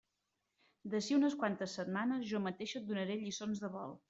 D'ací a unes quantes setmanes jo mateixa et donaré lliçons de vol.